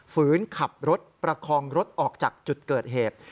ฝืนขับรถประคองรถออกจากจุดเกิดเหตุ